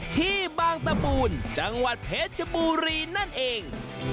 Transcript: ที่บางตะปูนจังหวัดเพชรชบุรีนั่นเอง